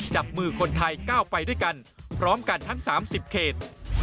จับมือคนไทยก้าวไปด้วยกันพร้อมกันทั้ง๓๐เขต